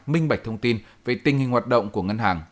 minh bạch thông tin về tình hình hoạt động của ngân hàng